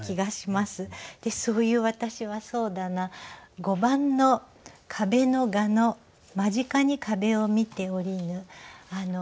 そういう私はそうだな５番の「壁の蛾の間近に壁を見て居りぬ」。